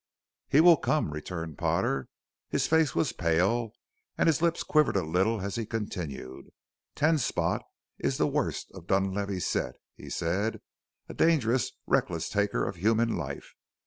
"He will come," returned Potter. His face was pale and his lips quivered a little as he continued: "Ten Spot is the worst of Dunlavey's set," he said; "a dangerous, reckless taker of human life.